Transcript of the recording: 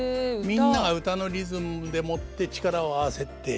みんなが唄のリズムでもって力を合わせていく。